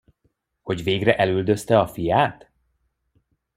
Hogy végre elüldözte a fiát?